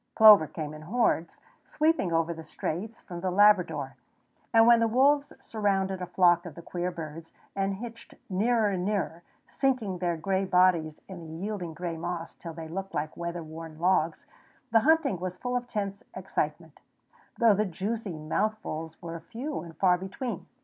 Plover came in hordes, sweeping over the Straits from the Labrador; and when the wolves surrounded a flock of the queer birds and hitched nearer and nearer, sinking their gray bodies in the yielding gray moss till they looked like weather worn logs, the hunting was full of tense excitement, though the juicy mouthfuls were few and far between.